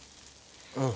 うん。